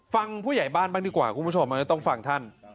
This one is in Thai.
ฟังผู้ใหญ่บ้านบ้างดีกว่าคุณผู้ชมต้องฟังท่าน